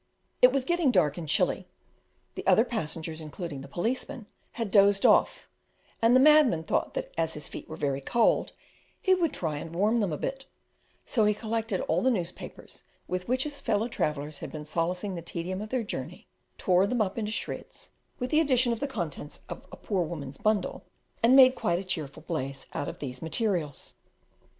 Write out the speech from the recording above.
It was getting dark and chilly; the other passengers, including the policeman, had dozed off and the madman thought that as his feet were very cold, he would "try and warm them a bit;" so he collected all the newspapers with which his fellow travellers had been solacing the tedium of their journey, tore, them up into shreds, with the addition of the contents of a poor woman's bundle, and made quite a cheerful blaze out of these materials.